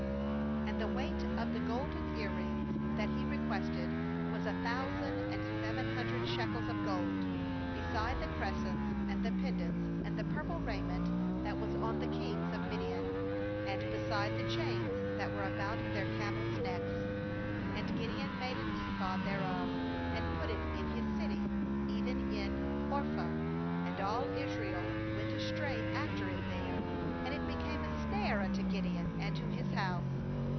26And 304 JUDGES 9.13 the weight of the golden ear rings that he requested was a thousand and seven hundred shekels of gold; be side the crescents, and the pendants, and the purple raiment that was on the ^ kings of Midian, and beside the chains that were about their camels' necks. 27And Gideon made an ephod thereof, and put it in his city, even in Ophrah; and all Israel went astray after it there; and it became a snare unto Gideon, and to his house.